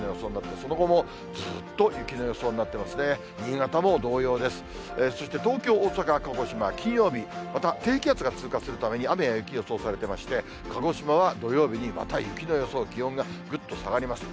そして東京、大阪、鹿児島、金曜日、また低気圧が通過するために、雨や雪が予想されてまして、鹿児島は土曜日にまた雪の予想、気温がぐっと下がります。